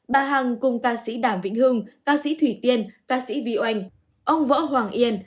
bà hằng cùng ca sĩ đàm vĩnh hưng ca sĩ thủy tiên ca sĩ vy oanh ông võ hoàng yên